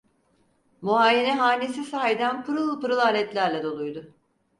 Muayenehanesi sahiden pırıl pırıl aletlerle doluydu.